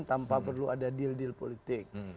tanpa perlu ada deal deal politik